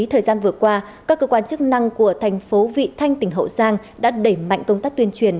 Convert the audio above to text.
thời gian vừa qua các cơ quan chức năng của thành phố vị thanh tỉnh hậu giang đã đẩy mạnh công tác tuyên truyền